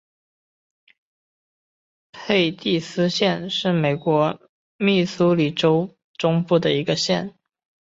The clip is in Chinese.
佩蒂斯县是美国密苏里州中部的一个县。